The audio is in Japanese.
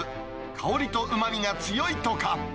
香りとうまみが強いとか。